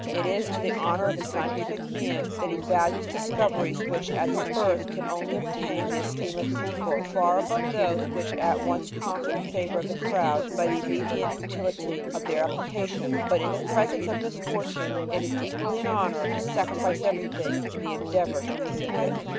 It is to the honor of a scientific man that he values discoveries which at their birth can only obtain the esteem of his equals, far above those which at once conquer the favor of the crowd by the immediate utility of their application; but, in the presence of misfortune, it is equally an honor to sacrifice everything in the endeavor to relieve it."